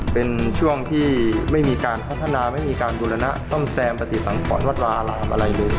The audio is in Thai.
เป็นช่วงที่ไม่มีการพัฒนาไม่มีการบูรณะซ่อมแซมปฏิสังขรวัตรารามอะไรเลย